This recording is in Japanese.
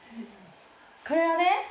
これはね